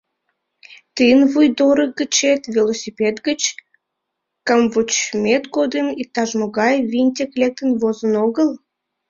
Тыйын вуйдорык гычет велосипед гыч камвочмет годым иктаж-могай винтик лектын возын огыл?